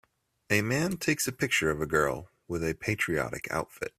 A man takes a picture of a girl with a patriotic outfit